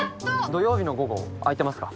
土曜日の午後空いてますか？